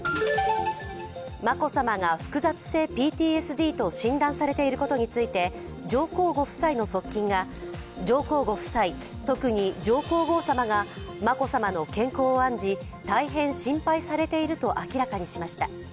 眞子さまが複雑性ＰＴＳＤと診断されていることについて上皇ご夫妻の側近が上皇ご夫妻、特に上皇后さまが眞子さまの健康を案じ大変心配されていると明らかにしました。